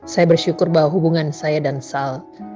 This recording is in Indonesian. saya bersyukur bahwa hubungan saya dan sal